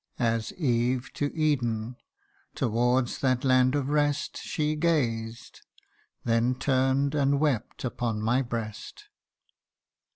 As Eve to Eden towards that land of rest She gazed, then turn'd, and wept upon my breast.